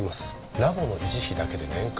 ラボの維持費だけで年間